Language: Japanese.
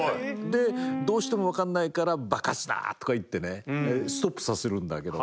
でどうしても分かんないから爆発だ！とか言ってねストップさせるんだけど。